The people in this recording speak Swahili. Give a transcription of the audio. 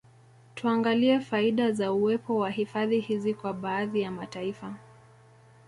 Tuangalie faida za uwepo wa hifadhi hizi kwa baadhi ya mataifa